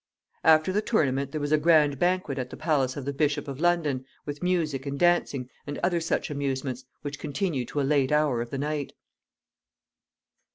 After the tournament there was a grand banquet at the palace of the Bishop of London, with music and dancing, and other such amusements, which continued to a late hour of the night.